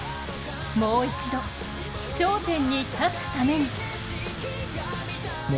もう一度、頂点に立つために。